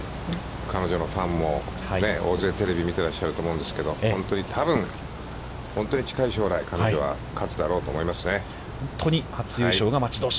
彼女のファンも大勢テレビを見ていらっしゃると思うんですけど、本当に多分、本当に近い将来、彼女は勝つだろうと思いますね。